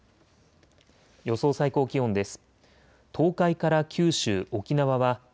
予想最高気温です。